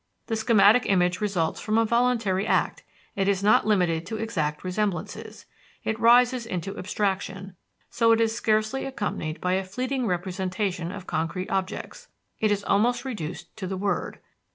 The schematic image results from a voluntary act; it is not limited to exact resemblances it rises into abstraction; so it is scarcely accompanied by a fleeting representation of concrete objects it is almost reduced to the word.